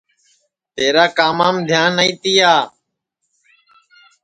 تیرا کامام دھیان نائی تیا